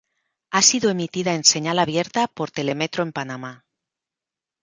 Ha sido emitida en señal abierta por Telemetro en Panamá.